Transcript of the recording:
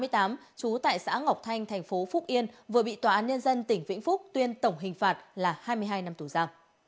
trú tại xã ngọc thanh thành phố phúc yên vừa bị tòa án nhân dân tỉnh vĩnh phúc tuyên tổng hình phạt là hai mươi hai năm tù ra